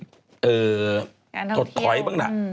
สถิต์ถอยบ้างล่ะ